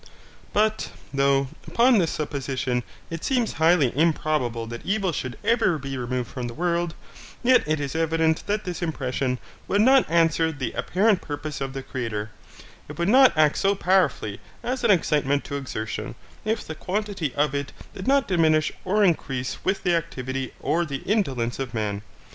But, though, upon this supposition, it seems highly improbable that evil should ever be removed from the world; yet it is evident that this impression would not answer the apparent purpose of the Creator; it would not act so powerfully as an excitement to exertion, if the quantity of it did not diminish or increase with the activity or the indolence of man.